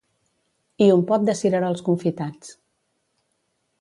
I un pot de cirerols confitats